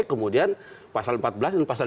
kemudian pasal empat belas dan pasal lima belas